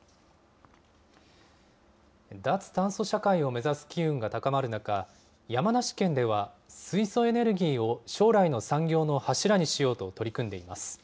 脱炭素社会を目指す機運が高まる中、山梨県では、水素エネルギーを将来の産業の柱にしようと取り組んでいます。